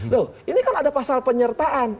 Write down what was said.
loh ini kan ada pasal penyertaan